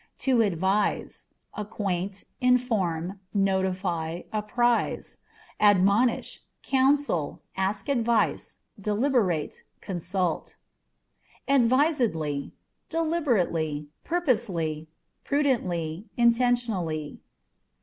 To Advise â€" acquaint, inform, notify, apprise ; admonish, counsel ; ask advice, deliberate, consult. Advisedlyâ€" deliberately, purposely, prudently, intentionally.